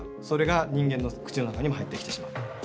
それが人間の口の中にも入ってきてしまう。